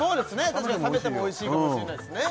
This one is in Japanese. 確かに冷めてもおいしいかもしれないですね